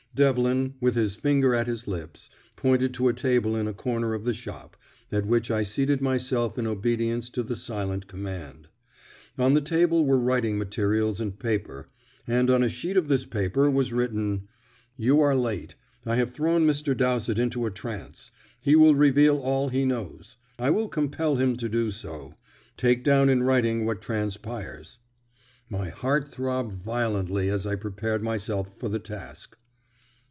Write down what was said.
Devlin, with his finger at his lips, pointed to a table in a corner of the shop, at which I seated myself in obedience to the silent command. On the table were writing materials and paper, and on a sheet of this paper was written: "You are late. I have thrown Mr. Dowsett into a trance. He will reveal all he knows. I will compel him to do so. Take down in writing what transpires." My heart throbbed violently as I prepared myself for the task.